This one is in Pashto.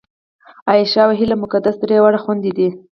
عایشه او هیله او مقدسه درې واړه خوېندې دي